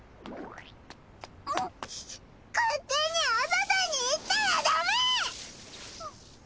勝手にお外に行ったらダメ！